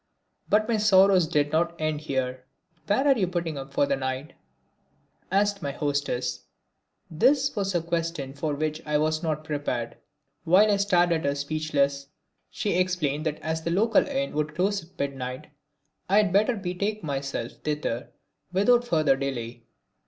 But my sorrows did not end here. "Where are you putting up for the night?" asked my hostess. This was a question for which I was not prepared. While I stared at her, speechless, she explained that as the local inn would close at midnight I had better betake myself thither without further delay.